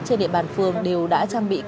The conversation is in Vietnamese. trên địa bàn phường đều đã trang bị